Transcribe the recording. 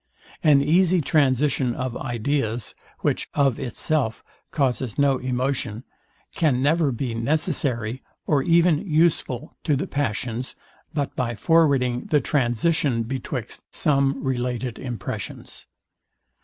An easy transition of ideas, which, of itself, causes no emotion, can never be necessary, or even useful to the passions, but by forwarding the transition betwixt some related impressions.